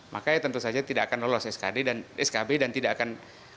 maka tentu saja tidak akan lolos skb dan tidak akan